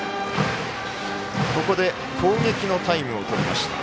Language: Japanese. ここで攻撃のタイムをとりました。